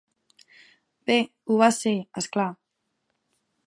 Bé, ho va ser, és clar.